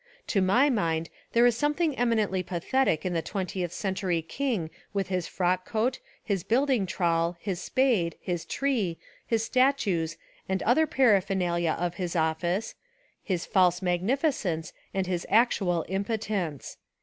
To my mind there Is some thing eminently pathetic In the twentieth century king with his frock coat, his building trowel, his spade, his tree, his statues and the 292 A Rehabilitation of Charles II other paraphernalia of his office, his false mag nificence and his actual impotence.